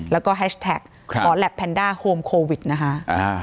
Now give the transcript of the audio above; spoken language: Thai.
แล้วก็แฮชแท็กหมอแหลปแพนด้าโฮมโควิดนะคะ